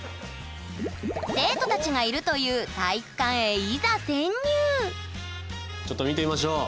生徒たちがいるというちょっと見てみましょう！